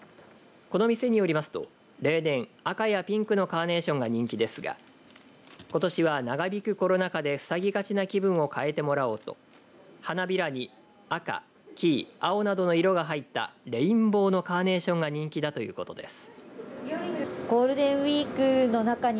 この店によりますと例年赤やピンクのカーネーションが人気ですがことしは、長引くコロナ禍でふさぎがちな気分を変えてもらおうと花びらに赤、黄などの色が入ったレインボーのカーネーションが人気だということです。